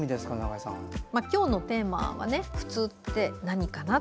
今日のテーマは「普通とは何か？」